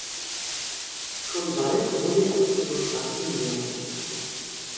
Schon bald wurde er zum gefragten Lehrer.